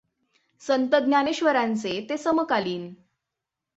संत ज्ञानेश्वरांचे ते समकालीन.